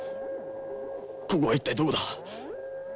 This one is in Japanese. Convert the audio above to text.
ここは一体どこだ？